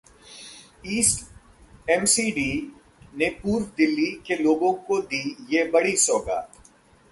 east MCD ने पूर्वी दिल्ली के लोगों को दी ये बड़ी सौगात